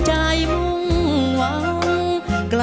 จะใช้หรือไม่ใช้ครับ